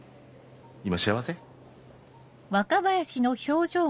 今幸せ？